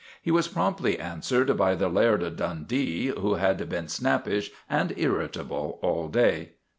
He was promptly answered by the Laird o' Dundee, who had been snappish and irritable all day.